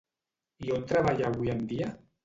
I on treballa avui en dia?